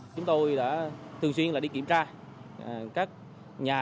chúng tôi đã thường xuyên đi kiểm tra các nhà